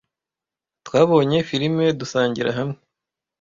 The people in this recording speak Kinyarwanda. Twabonye firime dusangira hamwe.